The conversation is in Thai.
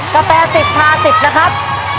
กาแฟ๑๐คา๑๐นะครับ